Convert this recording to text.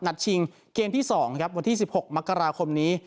นัดชิงเกณฑ์ที่สองครับวันที่สิบหกมกราคมนี้